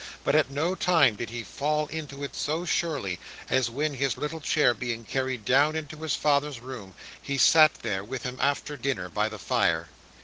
But at no time did he fall into it so surely, as when, his little chair being carried down into his father's room, he sat there with him after dinner, by the fire.